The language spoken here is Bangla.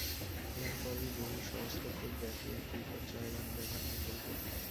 ইহার পরেই বহুসহস্রফুট-ব্যাপী এক বিকট চড়াই আমাদের ভাগ্যে পড়িল।